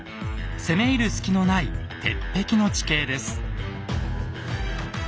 攻め入る隙のない鉄壁の地形です。